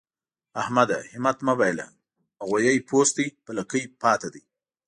احمده! همت مه بايله؛ غويی پوست دی په لکۍ پاته دی.